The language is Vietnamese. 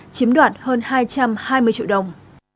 chiếm đoạt hơn hai trăm hai mươi triệu đồng